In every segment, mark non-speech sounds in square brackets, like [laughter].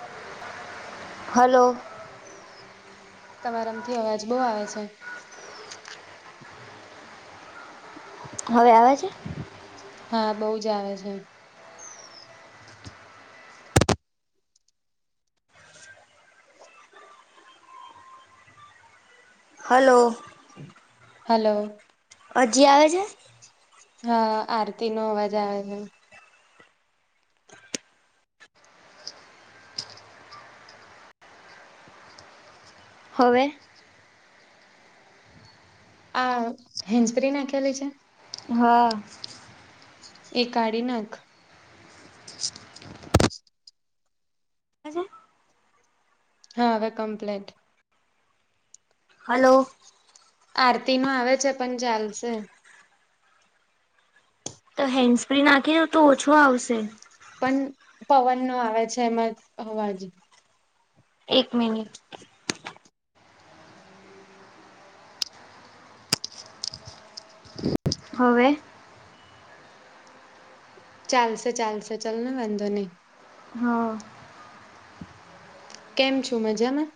[inaudible] Hello તમારામથી અવાજ બહુ આવે છે. હવે આવે છે? હા બહુ જ આવે છે. હલો હલો અજી આવે છે? હા આરતી નો અવાજ આવે છે. હવે આ હેન્ડ્સ ફ્રી નાખેલી છે? હા એ કાઢી નાખ [inaudible] હ છે. હા હવે કમપ્લેટ. હલો આરતી નો આવે છે, પણ ચાલશે તો હેન્ડ ફ્રી નાખી તો ઓછો આવશે. પણ પવન નો આવે છે, એમાં અવાજ એક મિનિટ હવે ચાલશે ચાલશે ચલને વાંધો નહી. હા કેમ છો મજામા?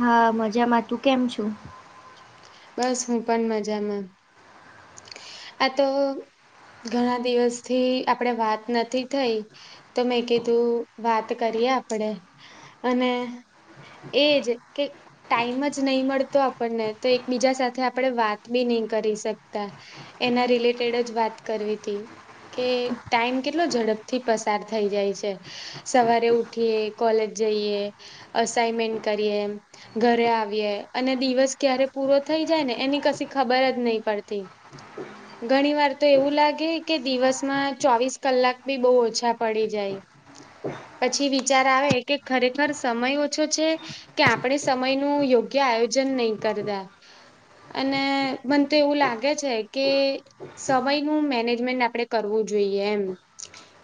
હા મજામાં તું કેમ છુ? બસ હું પણ મજામાં આ તો ઘણા દિવસ થી આપણેે વાત નથી થઈ. તો મેં કીધું વાત કરીએ આપડે અને એ જ કે ટાઈમ જ નહી, મળતો આપણને તો એક બીજા સાથે આપડે વાત બી નહી કરી શકતા. એના રિલેટેડ જ વાત કરવી તી. કે ટાઈમ કેટલો ઝડપથી પસાર થઈ જાય છે. સવારે ઉઠીએ કોલેજ જઈએ. અસાઇમેન્ટ કરીએ ઘરે આવીએ અને દિવસ ક્યારે પૂરો થઈ જાય ને એની કશી ખબર જ નહી, પડતી. ઘણી વાર તો એવું લાગે કે દિવસમાં ચોવીસ કલાક બી બહુ ઓછા પડી જાય. પછી વિચાર આવે કે ખરેખર સમય ઓછો છે. કે આપણે સમય નું યોગ્ય આયોજન નહી કરતા. અને મને તો એવું લાગે છે, કે સમયનું મેનેજમેન્ટ આપણેે કરવું જોઈએ એમ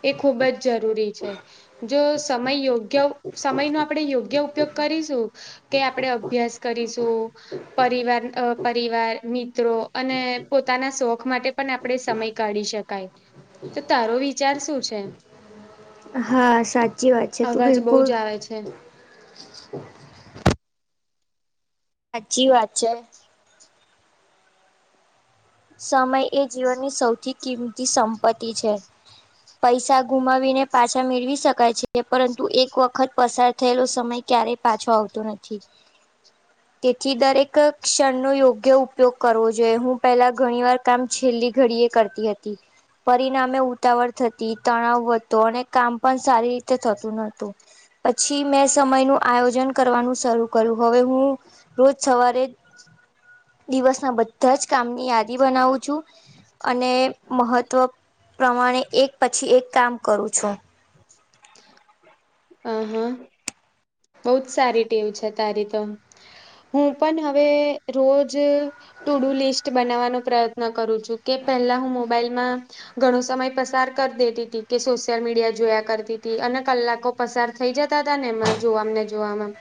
એ ખૂબ જ જરૂરી છે. જો સમય યોગ્ય સમય નો આપણે યોગ્ય ઉપયોગ કરીશું કે આપણે અભ્યાસ કરીશું પરિવાર પરિવાર મિત્રો અને પોતાના શોખ માટે પણ આપણે સમય કાઢી શકીએ. તો તારો વિચાર શું છે. હા સાચી વાત છે, તું બિલકુલ થ છે. સાચી વાત છે. સમય એ જીવનની સૌથી કિંમતી સંપત્તિ છે. પૈસા ગુમાવીને પાછા મેળવી શકાય છે પરંતુ એક વખત પસાર થયેલો સમય ક્યારેય પાછો આવતોું નથી [unintelligible] તેથી દરેક ક્ષણનોો યોગ્ય ઉપયોગ કરવો જોઈએ હું પેલા ઘણી વાર કામ છેલ્લી ઘડી એ કરતી હતી. પરિણામે ઉતાવળ થતી તણાવ વધ અને કામ પણ સારી રીતે થતું નતુ પછી મેં સમયનુ આયોજન કરવાનું શરૂ કર્યું હવે હુ રોજ સવારે દિવસના બધા જ કામની યાદી બનાવું છુ, અને મહત્વ પ્રમાણે એક પછી એક કામ કરું છુ. આ હા બહ જ સારી ટેવ છે, તારી તો હું પણ હવે રોજ ટુ ડુ લિસ્ટ બનાવવાનો પ્રયત્ન કરું છું કે પેલા હું મોબાઈલમા ઘણો સમય પસાર કરી દેતી ત કે સોશિયલ મીડિયા જોયા કરતી ત અને કલાકો પસાર થઈ જતા હતા ને એમાં જોવા ને જોવામ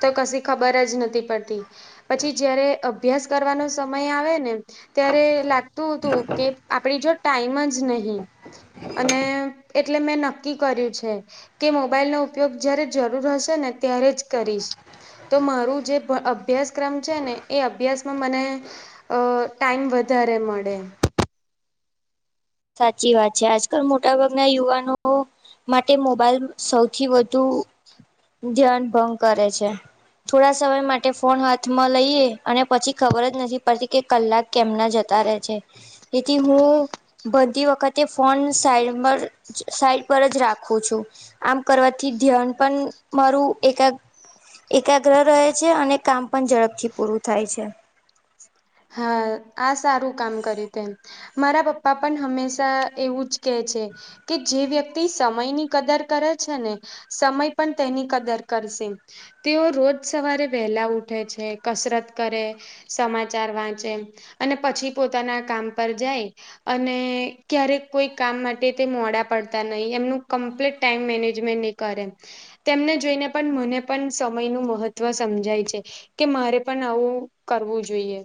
તો કશી ખબર જ નથી, પડતી પછી જયારે અભ્યાસ કરવાનો સમય આવે ને ત્યારે લ તુ તુ કે આપડી જો ટાઈમ જ નહી અને એટલે મેં નક્કી કર્યું છે, કે મો મોબાઈલનો ઉપયોગ જય્યારે જરૂર હશે ને ત્યારે જ કરીશ તો મારું જે અભ્યાસ ક્રમ છે ને એ અભ્યાસમાં મને અ ટાઈમ વધારે મળે સાચી વાત છે, આજકાલ મોટાભાગના યુવાનો માટે મોબાઈલ સૌથી વધુ ધ્યાન ભંગ કરે છે. થોડા સમય માટે ફોન હાથમાં લઈએ અને પછી ખબર જ નથી પડતી કે કલાક કેમના જતા રહે છે, તેથી હુ બધી વખતે ફોન સાઈડ સાઈડ પર જ રાખું છુ. આમ કરવાથી ધ્યાન પણ મારું એક એકાગ્ર રહે છે, અને કામ પણ ઝડપથી પૂરું થાય છે. હા આ સારું કામ કર્યું તેમ મારા પપ્પા પણ હમેશા એવું જ કે છે કે જે વ્યક્તિ સમયની કદર કરે છેને. સમય પણ તેની કદર કરશે તેઓ રોજ સવારે વહેલા ઉઠે છે, કસરત કરે સમાજ વાંચે અને પછી પોતાના કામ પર જાય. અને ક્યારેક કોઈ કામ માટે તે મોડા પડતા નહી એમનું કમ્પ્લીટ ટાઈમ મેનેજમેન્ટ કરે તેમને જોઈને પણ મને પણ સમય નું મહત્વ સમજાય છે. કે મારે પણ આવું કરવું જોઈએ.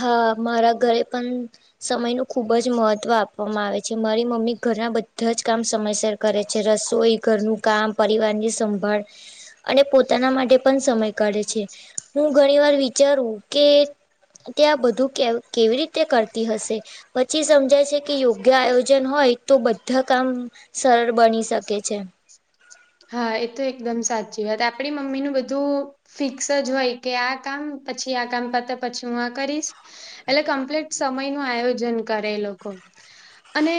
હા મારા ઘરે પણ સમયનું ખૂબ જ મહત્વ આપવામાં આવે છે મારી મમ્મી ઘરના બધા જ કામ સમયસર કરે છે રસોઈ ઘરનું કામ પરિવારની સંભાળ અને પોતાના માટે પણ સમય કાઢે છે હું ઘણી વાર વિચારું કે તે આ બધું કે કેવી રીતે કરતી હશે પછી સમજાય છે કે યોગ્ય આયોજન હોય તો બધા કામ સરળ બની શકે છે. હા એ તો એકદમ સાચી વાત આપણી મમ્મીનું બધું ફિક્સ જ હોય કે આ કામ પછી આ કામ પતે પછી હું આ કરીશ એટલે કમ્પ્લીટ સમય નું આયોજન કરે એ લોકો અને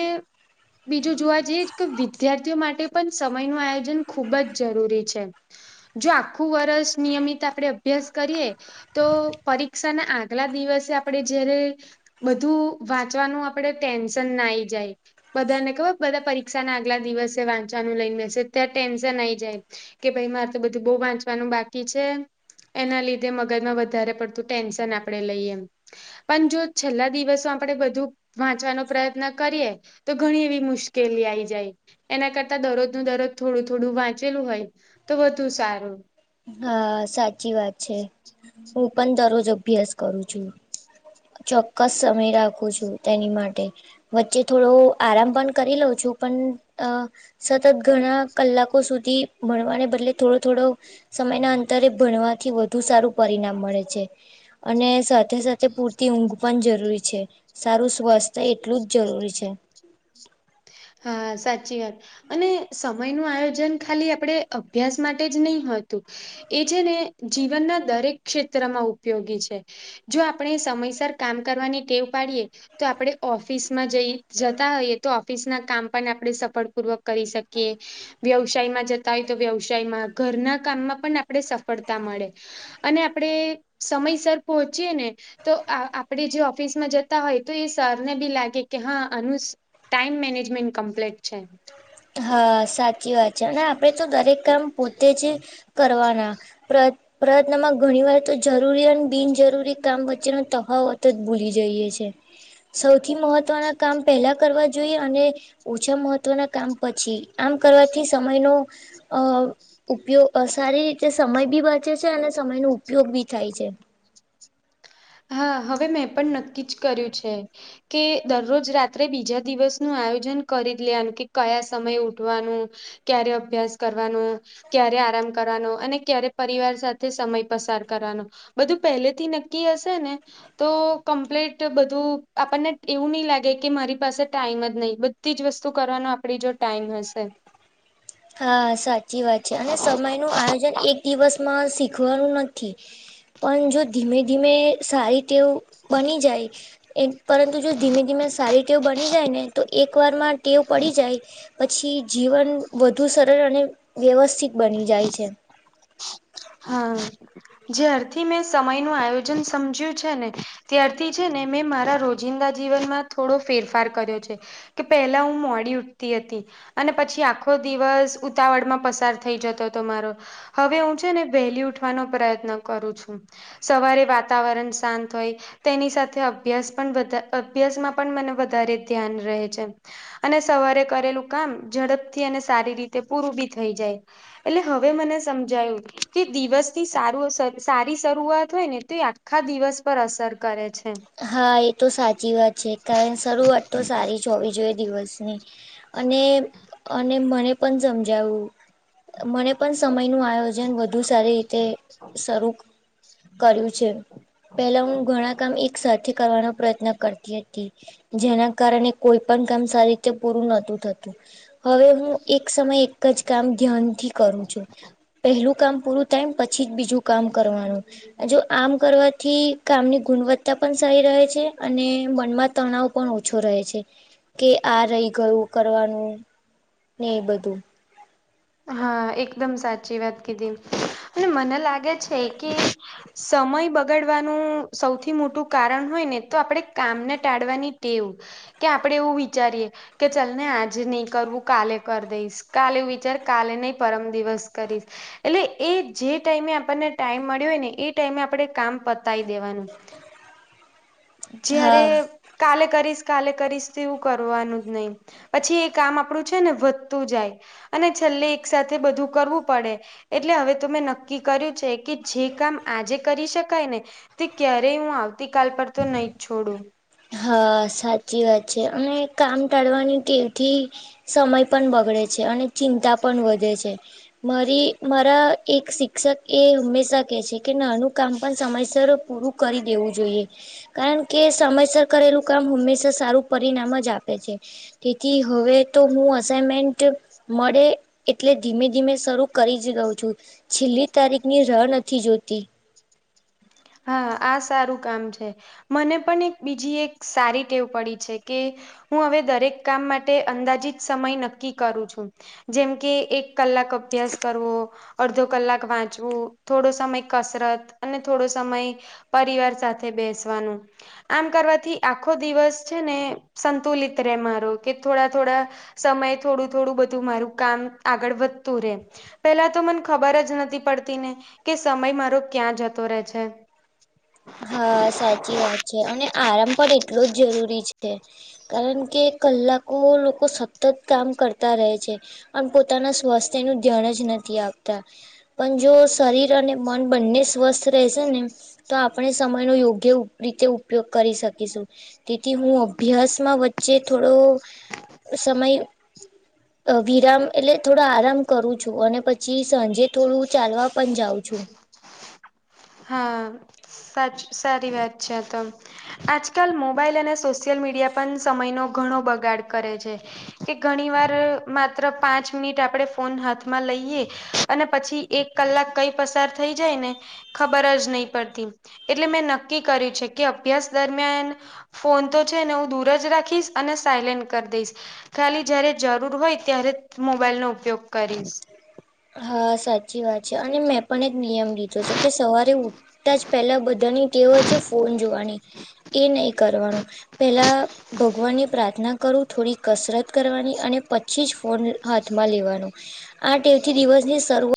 બીજું જોવા જઈએ કે વિદ્યાર્થીઓ માટે પણ સમય નુ આયોજન ખૂબ જ જરૂરી છે જો આખું વર્ષ નિયમિત આપણે અભ્યાસ કરીએ તો પરીક્ષા ના આગલા દિવસે આપણે જયારે બધું વાંચવાનું આપડે ટેન્શન ના આઇ જાય. બધા ને ખબર બધા પરીક્ષા ના આગલા દિવસે વાંચવાનું લઈને મેસેજ ત્યાં ટેન્શન આઈ જાય કે ભાઈ મારે તો બધું બહુ વાંચવાનું બાકી છે. એના લીધે મગજમાં વધારે પડતું ટેન્શન આપણે લઈએ એમ. પણ જો છેલ્લા દિવસો આપણેે બધું વાંચવાનો પ્રયત્ન કરીએ તો ઘણી એવી મુશ્કેલી આવી જાય એના કરતા દરરોજ નુ દરરોજ થોડું થોડું વાંચેલું હોય તો વધુ સારું. હા સાચી વાત છે હું પણ દરરોજ અભ્યાસ કરું છું. ચોક્કસ સમય રાખું છું તેની માટે વચ્ચે થોડો આરામ પણ કરી લઉં છું પણ અ સતત ઘણા કલાકો સુધી ભણવાને બદલે થોડો થોડોક સમયના અંતરે ભણવાથી વધુ સારું પરિણામ મળે છે અને સાથે સાથે પૂર તી ઊંઘ પણ જરૂરી છે સારું સ્વાસ્થ્ય એટલું જ જરૂરી છે. હા સાચી વાત. અને સમય નું આયોજન ખાલી આપણે અભ્યાસ માટે જ નઇ હોતું. એ છે ને જીવનના દરેક ક્ષેત્રમાં ઉપયોગી છે. જો આપણે સમયસર કામ કરવાની ટેવ પાડીએ તો આપણે ઓફિસમાં જઈ જતા હોઈએ તો ઓફિસના કામ પણ આપણે સફળ પૂર્વક કરી શકીએ. વ્યવસાયમાં જતા હોય તો વ્યવસાયમાં ઘરના કામમાં પણ આપણે સફળતા મળે. અને આપડે સમયસર પહોંચીયે ને તો આપણેે જે ઓફિસમાં જતા હોય તો એ સરને બી લાગે કે હા આનું ટાઈમ મેનેજમેન્ટ કમ્પ્લીટ છે. હા સાચી વાત છે અને આપડે તો દરેક કામ પો તેજ કરવાના પ્ર પ્રયત્નમાં ઘણી વાર તો જરૂરી અને બિનજરૂરી કામ વચ્ચેનો તફાવત જ ભૂલી જઈએ છે સૌથી મહત્વના કામ પેલા કરવા જોઈએ અને ઓછા મહત્વના કામ પછી આમ કરવાથી સમયનો અ ઉપયોગ સારી રીતે સમય બી બચે છે અને સમય નો ઉપયોગ બી થાય છે. હા હવે મેં પણ નક્કી જ કર્યું છે. કે દરરોજ રાત્રે બીજા દિવસ નું આયોજન કરી લેવાનું કે કયા સમય ઉઠવાનું ક્યારે અભ્યાસ કરવાનો ક્યારે આરામ કરવાનો અને ક્યારે પરિવાર સાથે સમય પસાર કરવાનો બધું પહેલેથી નક્કી હશે ને તો કમ્પ્લીટ બધું આપણને એવું નહી લાગે કે મારી પાસે ટાઈમ જ નહીં બધી જ વસ્તુ કરવાનો આપણી જો ટાઈમ હશે હા સાચી વાત છે અને સમય નું આયોજન એક દિવસમાં શીખવાનું નથી પણ જો ધીમે ધીમે સારી તેવું બની જાય. એ પરંતુ જો ધીમે ધીમે સારી ટેવ બની જાય ને તો એકવારમાં ટેવ પડી જાય. પછી જીવન વધુ સરળ અને વ્યવસ્થિત બની જાય છે હા જ્યારથી મેં સમય નું આયોજન સમજ્યું છે ને. ત્યારથી છે ને મેં મારા રોજિંદા જીવનમાં થોડો ફેરફાર કર્યો છે. કે પહેલા હું મોડી ઉઠતી હતી. અને પછી આખો દિવસ ઉતાવળમાં પસાર થઈ જતો હતો મારો હવે હું. વહેલી ઉઠવાનો પ્રયત્ન કરું છું. સવારે વાતાવરણ શાંત હોય. તેની સાથે, અભ્યાસ પણ અભ્યાસમાં પણ મને વધારે ધ્યાન રહે છે. અને સવારે કરેલું કામ, ઝડપથી અને સારી રીતે પૂરું બી થઈ જાય. એટલે હવે મને સમજાયું. કે દિવસ ની સારું સારી શરૂઆત હોય ને, તો એ આખા દિવસ પર અસર કરે છે. હા! એ તો સાચી વાત છે. કારણ શરૂઆત તો સારી જ હોવી જોએ દિવસની. અને અને મને પણ સમજાવું. મને પણ સમય ન. આયોજન વધુ સારી રીતે શરૂ કર્યું છે. પેલા હું ઘણા કામ એક સાથે કરવાનો પ્રયત્ન કરતી હતી. જેના કારણે કોઈ પણ કામ સારી રીતે પૂરું નહોતું થતું. હવે હું એક સમયે. એક જ કામ ધ્યાન થી કરું છું. પહેલું કામ પૂરું થાય પછી જ બીજું. કામ કરવાનું. જો આમ કરવાથી કામની ગુણવત્તા. પણ સારી રહે છે. અને મનમાં તણાવ પણ ઓછો રહે છે. કે આ રહી ગયું કરવાનું, ને એ બધું. હા! એકદમ સાચી વાત કીધી. અને મને લાગે છે કે. સમય બગાડવાનું સૌથી મોટું કારણ હોય ને, તો આપણેે કામને ટાળવાની ટેવ. કે આપડે એવું વિચારીએ, કે ચાલ ને આજે નહી કરવું, કાલે કરી દઈશ. કાલે એવું વિચાર. કાલે નહી, પરમ દિવસ કરીશ. એટલે એ જે ટાઈમે આપણને ટાઈમ મળ્યો હોય ને, એ ટાઈમે આપણે કામ પતાવી દેવાનું. જયારે. હા કાલે કરીશ, કાલે કરીશ તેવું કરવાનું જ નહી. પછી એ કામ આપડું છે ને, વધતું જાય. અને છેલ્લે એક સાથેથે બધું કરવું પડે. એટલે હવે ત મે નક્કી કર્યું છે કે, જે કામ આજે કરી શકાય ને. તે ક્યારેય હું આવતી કલ પર તો નહી જ છોડું. હા સાચી વાત છે. અને કામ ટાળવાની ટીવથી. સમય પણ બગડે છે. અને ચિંતા પણ વધે છે. મારી મારા એક શિક્ષક એ હંમેશા કેહે છે, કે નાનું કામ પણ સમયસર પૂરું. કરી દેવું જોઈએ. કારણ કે, સમયસર કરેલું કામ, હંમેશા સારું પરિણામ જ આપે છે. તેથી, હવે તો હું અસાઈનમેન્ટ. મળે એટલે, ધીમે ધીમે શરૂ કરી જ દઉં છું. છેલ્લી તારીખ ની રાહ નથી જોતી. હા! આ સારું કામ છે. મને પણ એક બીજી એક સારી ટેવ પડી છે કે. હું હવે દરેક કામ માટે, અંદાજીત સમય નક્કી કરું છું. જેમ કે એક કલાક અભ્યાસ કરવો. અડધો કલાક વાંચવું. થોડો સમય કસરત. અને થોડો. સમય પરિવાર સાથે બેસવાનું. આમ કરવાથી આખો દિવસ છે ને, સંતુલિત રહેે મારો. કે થોડા થોડા. સમય થોડું થોડું બધું મારું કામ આગળ વધતું રહેે. પેલા તો મને ખબર જ નથી પડતી ને, કે સમય મારો ક્યાં જતો રહે છે. છે. હા સાચી વાત છે. અને આરામ પણ એટલો જ જરૂરી છે. કારણ કે, કલાકો લોકો સતત કામ કરતા રહે છે. આમ પોતાના સ્વાસ્થ્યનું ધ્યાન જ નથી આપતા. પણ જો શરીર અને મન બંને સ્વસ્થ રહેશે ને. તો આપણે સમયનો યોગ્ય ઉપરી કે ઉપયોગ કરી શકીશું. તેથી હું અભ્યાસમાં વચ વચ્ચે થોડો સમય [inaudible] વિરામ એટલે થોડો આરામ કરું છું. અને પછી સાંજે થોડું ચાલવા પણ જાઉં છું. હા સાચ સારી વાત છે આતો. આજકાલ મોબાઈલ અને સોશિયલ મીડિયા પણ સમયનો ઘણો બગાડ કરે છે. કે ઘણી વાર માત્ર પાંચ મિનિટ આપણેે ફોન હાથમાં લઈએ. અને પછી એક કલાક કઈ પસાર થઈ જાય ને ખબર જ નહી પડતી. એટલે મેં નક્કી કર્યું છે કે અભ્યાસ દરમિયાન ફોન તો છે ને હું દૂર જ રાખીશ અને સાયલેન્ટ કરી દઈશ. ખાલી જયારે જરૂર હોય ત્યારે જ મોબાઈલનો ઉપયોગ કરીશ. હા સાચી વાત છે. અને મે પણ એક નિયમ લીધો છે. કે સવારે ઉઠતા જ પહેલા બધાની ટેવ હોય છે ફોન જોવાની. એ નહી કરવાનું. પેલા ભગવાનની પ્રાર્થના કરું, થોડી કસરત કરવાની, અને પછી જ ફોન હાથમાં લેવાનું. આ ટેવથી દિવસની શરૂઆ